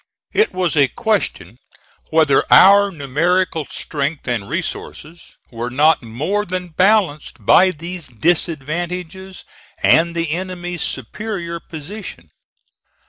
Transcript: It was a question whether our numerical strength and resources were not more than balanced by these disadvantages and the enemy's superior position.